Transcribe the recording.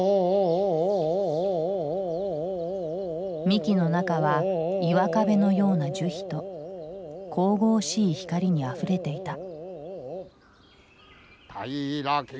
幹の中は岩壁のような樹皮と神々しい光にあふれていた。